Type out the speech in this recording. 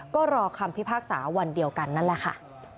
ก็รอคำพิพากษาวันเดียวกันนั่นแหละค่ะ